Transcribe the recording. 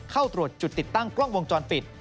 เข้าตรวจจุดติดตั้งกล้องวงจรปิด